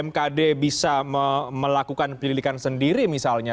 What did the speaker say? mkd bisa melakukan penyelidikan sendiri misalnya